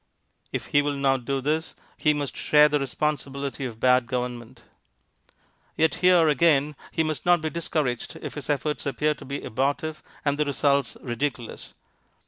If he will not do this he must share the responsibility of bad government. Yet here, again, he must not be discouraged if his efforts appear to be abortive and the results ridiculous.